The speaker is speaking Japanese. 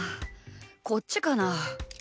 こっちかな？